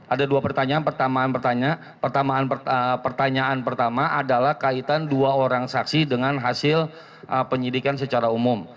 ada dua pertanyaan pertanyaan pertama adalah kaitan dua orang saksi dengan hasil penyidikan secara umum